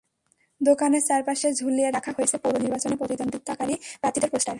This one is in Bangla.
দোকানের চারপাশে দড়িতে ঝুলিয়ে রাখা হয়েছে পৌর নির্বাচনে প্রতিদ্বন্দ্বিতাকারী প্রার্থীদের পোস্টার।